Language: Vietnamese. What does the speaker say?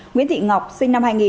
nguyễn thị ngọc sinh năm hai nghìn